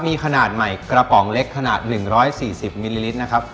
มีขนาดใหม่กระป๋องเล็กขนาด๑๔๐มิลลิลิตรนะครับ